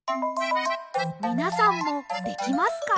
みなさんもできますか？